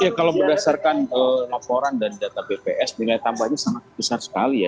ya kalau berdasarkan laporan dan data bps nilai tambahnya sangat besar sekali ya